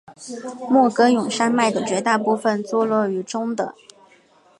莫戈永山脉的绝大部分坐落于中的。